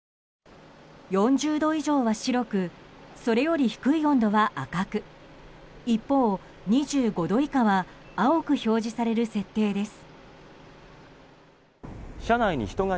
４０度以上は白くそれより低い温度は赤く一方、２５度以下は青く表示される設定です。